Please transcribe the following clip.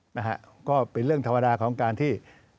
นะฮะก็เป็นเรื่องธรรมดาของการที่